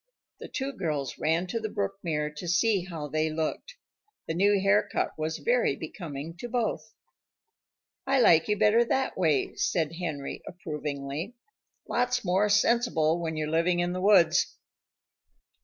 The two girls ran to the brook mirror to see how they looked. The new haircut was very becoming to both. "I like you better that way," said Henry approvingly. "Lots more sensible when you're living in the woods."